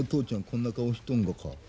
こんな顔しとんがか？